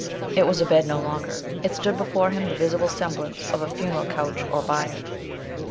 It was a bed no longer. It stood before him, the visible semblance of a funeral couch or bier